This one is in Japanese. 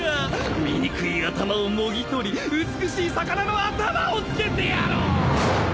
醜い頭をもぎ取り美しい魚の頭をつけてやろう！